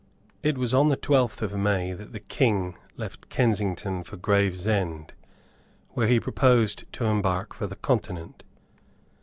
It was on the twelfth of May that the King left Kensington for Gravesend, where he proposed to embark for the Continent.